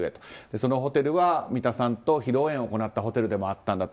そのホテルは三田さんと披露宴を行ったホテルでもあったんだと